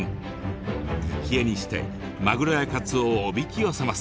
生き餌にしてマグロやカツオをおびき寄せます。